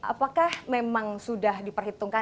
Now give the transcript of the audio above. apakah memang sudah diperhitungkan